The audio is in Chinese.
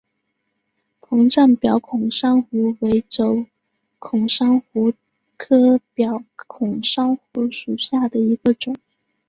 膨胀表孔珊瑚为轴孔珊瑚科表孔珊瑚属下的一个种。